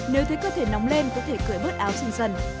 nếu thấy cơ thể nóng lên có thể cởi bớt áo dần dần